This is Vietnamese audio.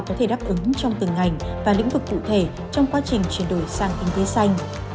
có thể đáp ứng trong từng ngành và lĩnh vực cụ thể trong quá trình chuyển đổi sang kinh tế xanh